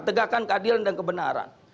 tegakkan keadilan dan kebenaran